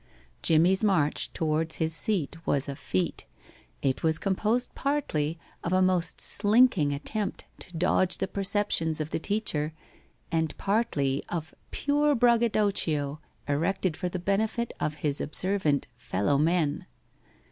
Jimmie's march towards his seat was a feat. It was composed partly of a most slinking attempt to dodge the perception of the teacher and partly of pure braggadocio erected for the benefit of his observant fellow men.